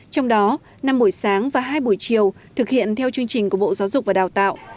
trong đó năm buổi sáng và hai buổi chiều thực hiện theo chương trình của bộ giáo dục và đào tạo